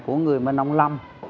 của người mân âu lâm